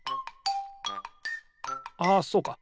あそうか。